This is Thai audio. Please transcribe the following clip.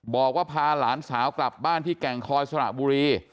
บอกว่าพาหลานสาวกลับบ้านที่แก่งคอยสระบุรี